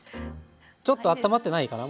ちょっとあったまってないかな？